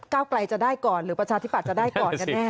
ไกลจะได้ก่อนหรือประชาธิบัตย์จะได้ก่อนกันแน่